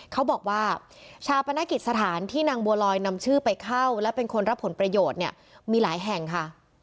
เขาบอกว่าชาปนกิจสถานที่นางบัวลอยนำชื่อไปเข้าและเป็นคนรับผลประโยชน์เนี่ยมีหลายแห่งค่ะ